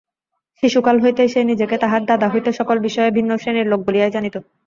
শিশুকাল হইতেই সে নিজেকে তাহার দাদা হইতে সকল বিষয়ে ভিন্ন শ্রেণীর লোক বলিয়াই জানিত।